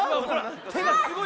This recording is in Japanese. てがすごい。